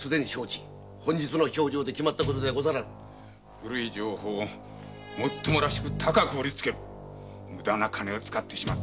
古い情報を高く売りつける無駄な金を使ってしまった。